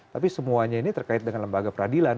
tapi semuanya ini terkait dengan lembaga peradilan